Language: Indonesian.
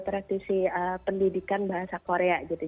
praktisi pendidikan bahasa korea gitu